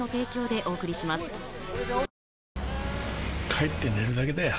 帰って寝るだけだよ